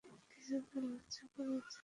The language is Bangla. কিছু তো লজ্জা করা উচিত।